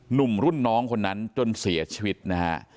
หนุ่มรุ่นน้องคนนั้นจนเสียชีวิตนะฮะ